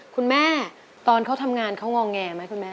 คุณแม่ตอนเขาทำงานเขางอแงไหมคุณแม่